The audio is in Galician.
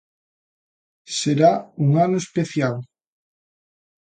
Será un ano especial.